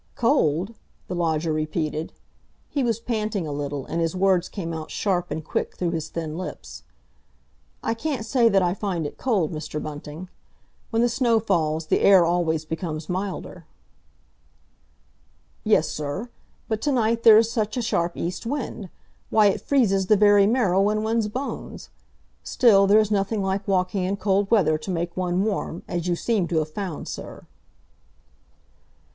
"Cold?" the lodger repeated; he was panting a little, and his words came out sharp and quick through his thin lips. "I can't say that I find it cold, Mr. Bunting. When the snow falls, the air always becomes milder." "Yes, sir; but to night there's such a sharp east wind. Why, it freezes the very marrow in one's bones! Still, there's nothing like walking in cold weather to make one warm, as you seem to have found, sir."